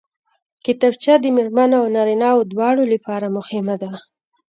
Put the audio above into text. کتابچه د مېرمنو او نارینوو دواړو لپاره مهمه ده